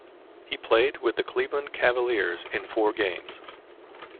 He played with the Cleveland Cavaliers in four games.